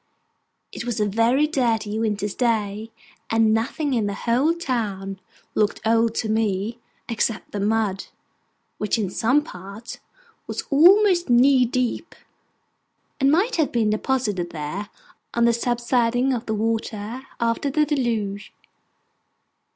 It was a very dirty winter's day, and nothing in the whole town looked old to me, except the mud, which in some parts was almost knee deep, and might have been deposited there, on the subsiding of the waters after the Deluge.